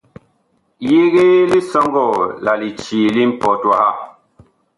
Yegee lisɔŋgɔɔ la licii li mpɔt waha.